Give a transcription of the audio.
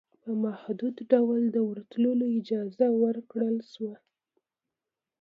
په محدود ډول دورتلو اجازه ورکړل شوه